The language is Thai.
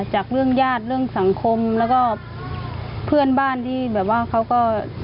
จากเรื่องญาติเรื่องสังคมแล้วก็เพื่อนบ้านที่แบบว่าเขาก็